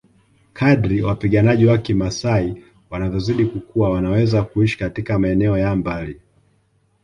Kadri wapiganaji wa kimaasai wanavyozidi kukua wanaweza kuishi katika maeneo ya mbali